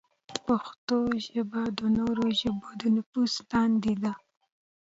پښتو ژبه د نورو ژبو د نفوذ لاندې ده.